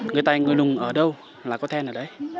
người tài người nùng ở đâu là có thanh ở đấy